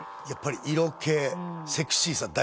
やっぱり色気セクシーさ